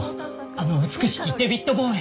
あの美しきデヴィッド・ボウイ。